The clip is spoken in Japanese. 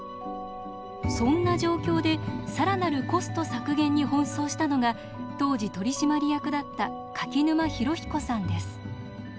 そんな状況で更なるコスト削減に奔走したのが当時取締役だった柿沼博彦さんです。